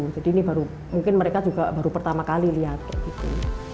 jadi ini baru mungkin mereka juga baru pertama kali lihat kayak gitu